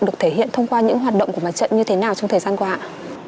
được thể hiện thông qua những hoạt động của mặt trận như thế nào trong thời gian qua